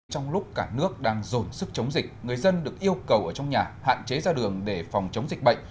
trong lúc cả nước đang dồn sức chống dịch người dân được yêu cầu ở trong nhà hạn chế ra đường để phòng chống dịch bệnh